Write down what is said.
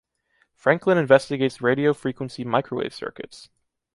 Franklin investigates radio frequency microwave circuits.